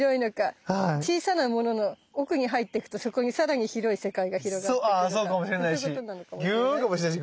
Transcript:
小さなものの奥に入ってくとそこに更に広い世界が広がってくるからそういうことなのかもしれないし。